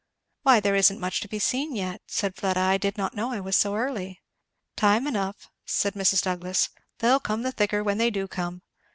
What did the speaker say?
"Why there is not much to be seen yet," said Fleda. "I did not know I was so early." "Time enough," said Mrs. Douglass. "They'll come the thicker when they do come.